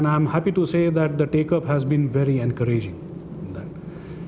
dan saya senang mengatakan bahwa pengambilan ini sangat memberi keuangan